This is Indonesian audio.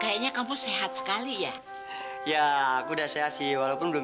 ini cocok sekali buat candy